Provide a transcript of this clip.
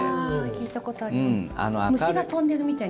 聞いたことあります。